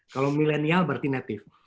kalau milenial berarti native